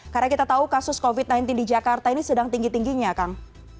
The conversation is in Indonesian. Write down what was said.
karena kita tahu kasus covid sembilan belas di jakarta ini sedang tinggi tingginya kang